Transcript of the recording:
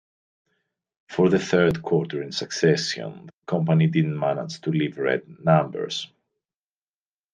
For the third quarter in succession, the company didn't manage to leave red numbers.